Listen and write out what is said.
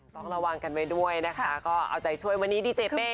ต้องระวังกันไว้ด้วยนะคะก็เอาใจช่วยวันนี้ดีเจเป้